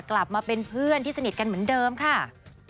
กลับมาเป็นเพื่อนที่สนิทกันเหมือนเดิมค่ะ